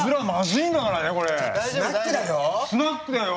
スナックだよ。